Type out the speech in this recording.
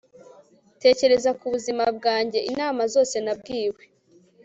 tekereza ku buzima bwanjye, inama zose nabwiwe